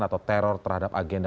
atau teror terhadap agenda